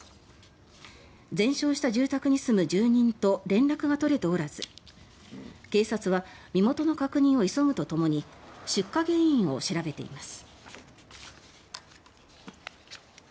全焼した住宅に住む住人と連絡が取れておらず警察は身元の確認を急ぐとともに出火原因を調べています。